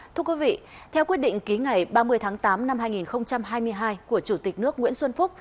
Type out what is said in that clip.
thưa quý vị theo quyết định ký ngày ba mươi tháng tám năm hai nghìn hai mươi hai của chủ tịch nước nguyễn xuân phúc